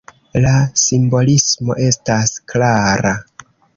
La simbolismo estas klara.